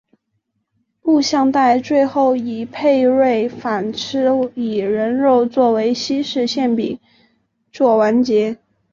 录像带最后以佩芮反吃以人肉做成的西式馅饼作完结。